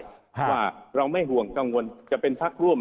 ว่าเราไม่ห่วงกังวลจะเป็นพักร่วม